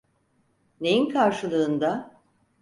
Neyin karşılığında?